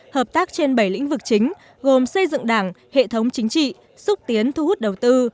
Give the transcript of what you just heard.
hợp tác trên bảy lĩnh vực chính gồm xây dựng đảng hệ thống chính trị xúc tiến thu hút đầu tư